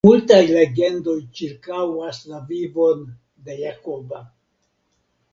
Multaj legendoj ĉirkaŭas la vivon de Jakoba.